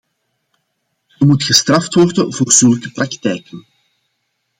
Ze moet gestraft worden voor zulke praktijken.